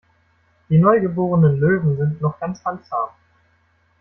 Die neugeborenen Löwen sind noch ganz handzahm.